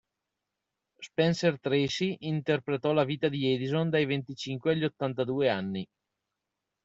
Spencer Tracy interpretò la vita di Edison dai venticinque agli ottantadue anni.